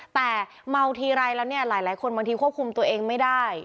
แต่เมาทีไรแล้วเนี่ยหลายคนบางทีควบคุมตัวเองไม่ได้